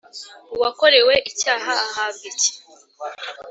uwakorewe icyaha ahabwa iki